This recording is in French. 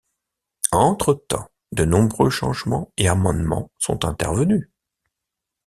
Entre-temps, de nombreux changements et amendements sont intervenus.